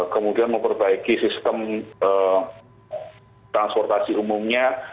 kemudian memperbaiki sistem transportasi umumnya